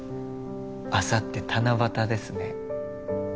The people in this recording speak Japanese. あさって七夕ですね。